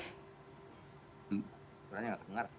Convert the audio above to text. suaranya tidak terdengar